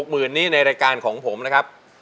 หมื่นนี้ในรายการของผมนะครับ